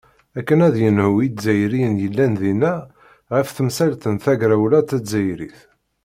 Akken ad yenhu Izzayriyen yellan dinna ɣef temsalt n tegrawla tazzayrit.